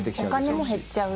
お金も減っちゃう？